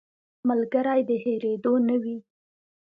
ملګری د هېرېدو نه وي